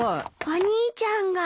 お兄ちゃんが。